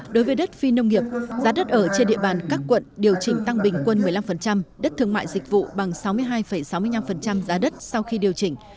đối với đất phi nông nghiệp giá đất ở trên địa bàn các quận điều chỉnh tăng bình quân một mươi năm đất thương mại dịch vụ bằng sáu mươi hai sáu mươi năm giá đất sau khi điều chỉnh